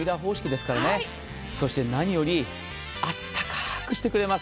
そして何より暖かくしてくれます。